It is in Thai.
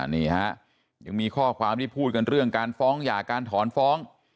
นี่ฮะยังมีข้อความที่พูดกันเรื่องการฟ้องหย่าการถอนฟ้อง